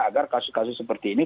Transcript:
agar kasus kasus seperti ini